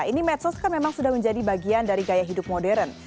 ini medsos kan memang sudah menjadi bagian dari gaya hidup modern